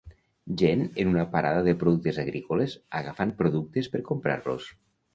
Gent en una parada de productes agrícoles agafant productes per comprar-los